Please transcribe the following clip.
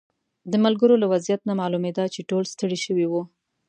د ملګرو له وضعیت نه معلومېده چې ټول ستړي شوي وو.